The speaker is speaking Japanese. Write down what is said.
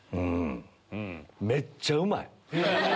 めっちゃうまい！